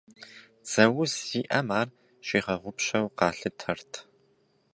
Дзэ уз зиӏэм ар щигъэгъупщэу къалъытэрт.